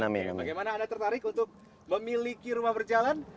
bagaimana anda tertarik untuk memiliki rumah berjalan